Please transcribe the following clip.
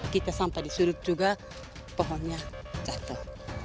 kita sampai di surut juga pohonnya jatuh